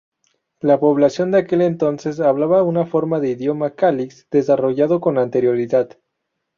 La población de aquel entonces hablaba una forma de idioma Kalix desarrollado con anterioridad.